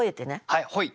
はいほい。